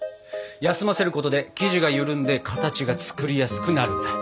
休ませることで生地がゆるんで形が作りやすくなるんだ！